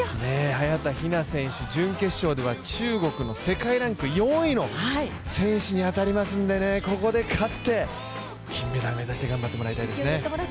早田ひな選手、準決勝では中国の世界ランク４位の選手に当たりますのでここで勝って、金メダル目指して頑張ってもらいたいですね。